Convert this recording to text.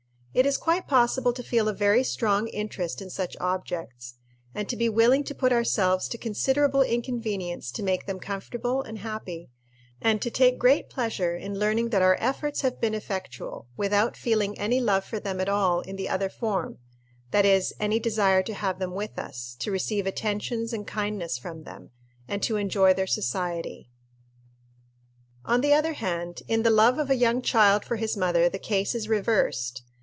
It is quite possible to feel a very strong interest in such objects, and to be willing to put ourselves to considerable inconvenience to make them comfortable and happy, and to take great pleasure in learning that our efforts have been effectual, without feeling any love for them at all in the other form that is, any desire to have them with us, to receive attentions and kindness from them, and to enjoy their society. On the other hand, in the love of a young child for his mother the case is reversed.